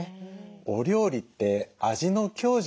お料理って味の強弱